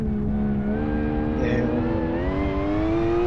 第三世措尼仁波切主要上师之一的阿德仁波切及亦在其座下学习。